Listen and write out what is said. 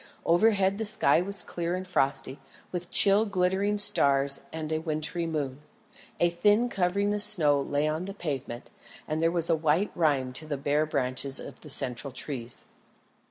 Overhead the sky was clear and frosty, with chill glittering stars and a wintry moon. A thin covering of snow lay on the pavement, and there was a white rime on the bare branches of the central trees.